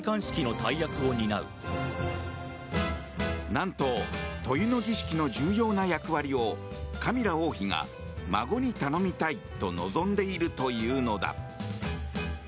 何と、塗油の儀式の重要な役割をカミラ王妃が孫に頼みたいと望んでいるというのだ。